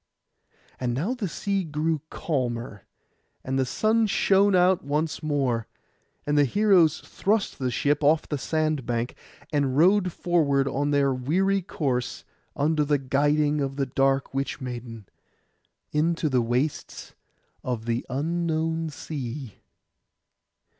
And now the sea grew calmer, and the sun shone out once more, and the heroes thrust the ship off the sand bank, and rowed forward on their weary course under the guiding of the dark witch maiden, into the wastes of the unknown sea.